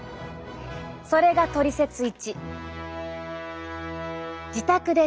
それがトリセツ１。